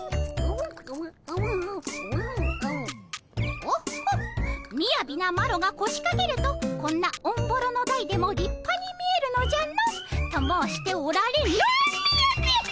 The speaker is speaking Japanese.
「オッホッみやびなマロがこしかけるとこんなオンボロの台でも立派に見えるのじゃの」と申しておられノーみやびっ！